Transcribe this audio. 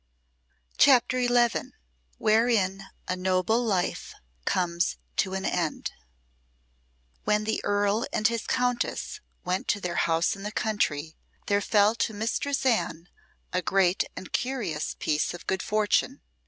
CHAPTER XI Wherein a noble life comes to an end When the earl and his countess went to their house in the country, there fell to Mistress Anne a great and curious piece of good fortune.